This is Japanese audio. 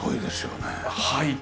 はい。